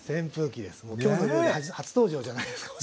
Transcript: もう「きょうの料理」初登場じゃないですかこれ。